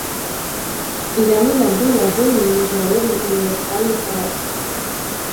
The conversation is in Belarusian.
Яны набылі агульны, міжнародны, універсальны характар.